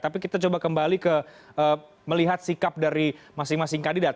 tapi kita coba kembali ke melihat sikap dari masing masing kandidat